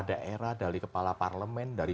daerah dari kepala parlemen dari